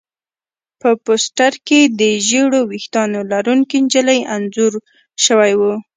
په پوسټر کې د ژېړو ویښتانو لرونکې نجلۍ انځور شوی و